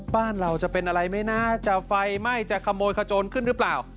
บ้านเราจะเป็นอะไรไหมนะจะไฟไหม้จะขโมยขโจรขึ้นหรือเปล่า